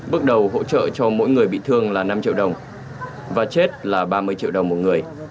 bước đầu hỗ trợ cho mỗi người bị thương là năm triệu đồng và chết là ba mươi triệu đồng một người